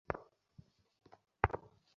এগুলো বাকে, কে দেখাই।